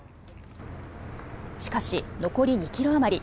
しかし残り２キロ余り。